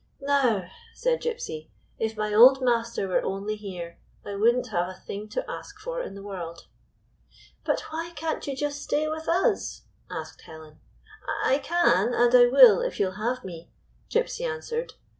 " Now," said Gypsy, " if my old master were only here, I would n't have a thing to ask for in the world." "But why can't you just stay with us?" asked Helen. "I can, and I will, if you 'll have me," Gypsy answered.